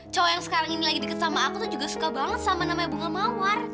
cowok yang sekarang ini lagi deket sama aku tuh juga suka banget sama namanya bunga mawar